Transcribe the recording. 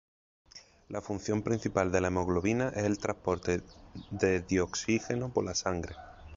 La función principal de la hemoglobina es el transporte de dioxígeno por la sangre.